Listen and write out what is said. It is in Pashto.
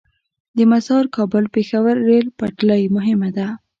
د مزار - کابل - پیښور ریل پټلۍ مهمه ده